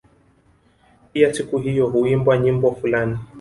Pia siku hiyo huimbwa nyimbo fulani